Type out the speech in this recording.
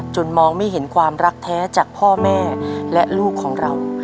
มองไม่เห็นความรักแท้จากพ่อแม่และลูกของเรา